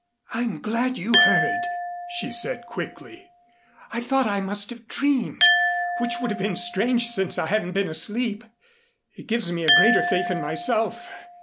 "I'm glad you heard," she said quickly. "I thought I must have dreamed which would have been strange, since I haven't been asleep. It gives me a greater faith in myself.